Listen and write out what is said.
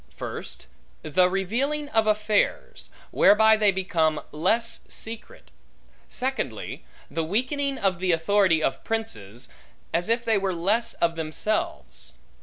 First, the revealing of affairs, whereby they become less secret. Secondly, the weakening of the authority of princes, as if they were less of themselves.